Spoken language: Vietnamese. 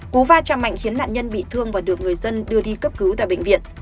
cú va chạm mạnh khiến nạn nhân bị thương và được người dân đưa đi cấp cứu tại bệnh viện